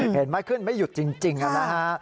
เห็นไหมขึ้นไม่หยุดจริงนะฮะ